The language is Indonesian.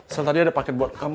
saya tadi ada paket buat kamu